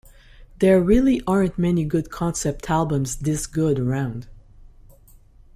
There really aren't many concept albums this good around.